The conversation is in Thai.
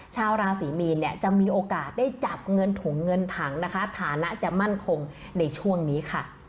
ชาวราศรีมีนเนี่ยจะมีโอกาสได้จับเงินถุงเงินถังนะคะฐานะจะมั่นคงในช่วงนี้ค่ะ